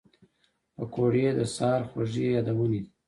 پکورې د سهر خوږې یادونې دي